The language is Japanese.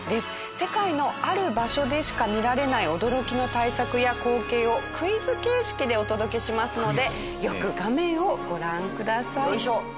世界のある場所でしか見られない驚きの対策や光景をクイズ形式でお届けしますのでよく画面をご覧ください。